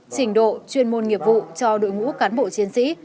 trình độ chuyên môn nghiệp vụ cho đội ngũ cán bộ chiến sĩ